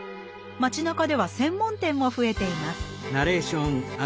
町なかでは専門店も増えています